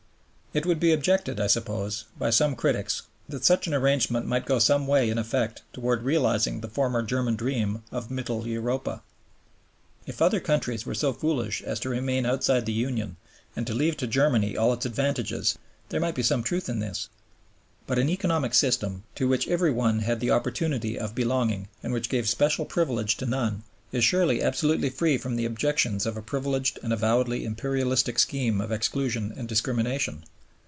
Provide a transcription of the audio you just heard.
It would be objected, I suppose, by some critics that such an arrangement might go some way in effect towards realizing the former German dream of Mittel Europa. If other countries were so foolish as to remain outside the Union and to leave to Germany all its advantages, there might be some truth in this. But an economic system, to which every one had the opportunity of belonging and which gave special privilege to none, is surely absolutely free from the objections of a privileged and avowedly imperialistic scheme of exclusion and discrimination.